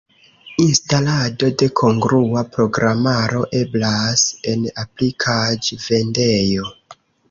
Instalado de kongrua programaro eblas en aplikaĵ-vendejo.